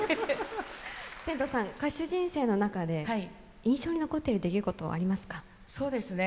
天童さん、歌手人生の中で印象に残っていることはありますか？